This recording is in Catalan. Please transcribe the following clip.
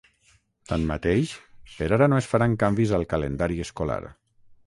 Tanmateix, per ara no es faran canvis al calendari escolar.